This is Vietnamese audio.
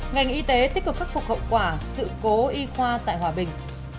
ngành y tế tích cực khắc phục hậu quả sự cố y khoa tại hòa bình